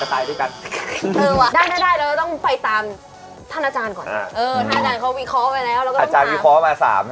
เราต้องไปตามท่านอาจารย์ก่อน